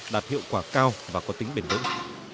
đạt hiệu quả cao và có tính bền vững